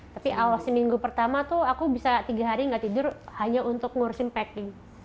tapi awal seminggu pertama tuh aku bisa tiga hari gak tidur hanya untuk ngurusin packing